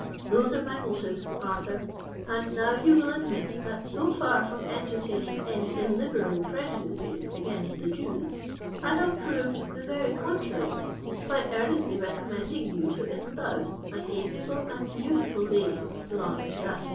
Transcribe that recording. Those are my motives, Arthur: and now you will admit that, so far from entertaining any illiberal prejudices against the Jews, I have proved the very contrary, by earnestly recommending you to espouse an amiable and beautiful lady belonging to that nation."